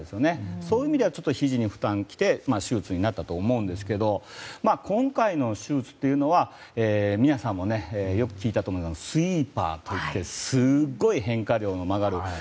そういう意味ではひじに負担がきて手術になったと思うんですけど今回の手術というのは皆さんもよく聞いたと思いますがスイーパーというすごい変化量の曲がる。